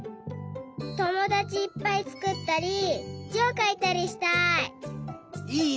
ともだちいっぱいつくったりじをかいたりしたい！